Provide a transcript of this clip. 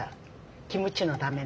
キムチのために。